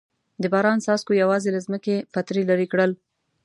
د باران څاڅکو یوازې له ځمکې پتري لرې کړل.